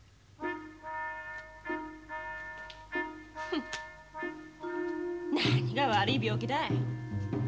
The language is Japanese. フッ何が悪い病気だい。